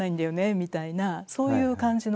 みたいなそういう感じの。